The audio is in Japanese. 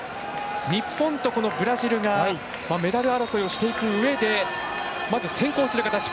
日本とブラジルがメダル争いをしていくうえでまず先行する形。